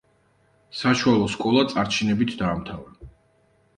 საშუალო სკოლა წარჩინებით დაამთავრა.